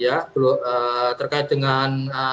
ya terkait dengan